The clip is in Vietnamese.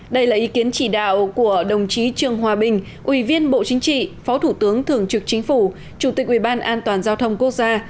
đây là ý kiến chỉ đạo của đồng chí trương hòa bình ủy viên bộ chính trị phó thủ tướng thường trực chính phủ chủ tịch uban giao thông quốc gia